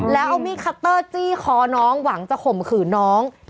แล้วเอามีดคัตเตอร์จี้คอน้องหวังจะข่มขืนน้อง